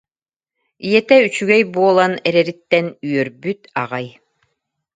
Ийэтэ үчүгэй буолан эрэриттэн үөрбүт аҕай